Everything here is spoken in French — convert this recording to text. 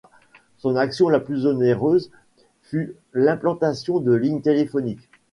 Son action la plus onéreuse fut l'implantation de lignes téléphoniques.